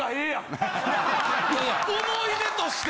思い出として。